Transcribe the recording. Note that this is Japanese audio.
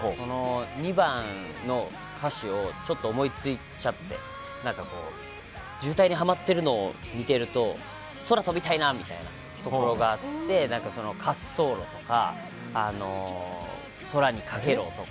２番の歌詞を思いついちゃって渋滞にはまってるのを見てると空を飛びたいなみたいなところがあって「滑走路」とか「空にカケろ」とか。